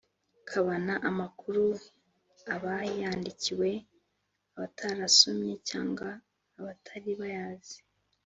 Kabana amakuru aba yandikiwe abatarasomye cg abatari bayazi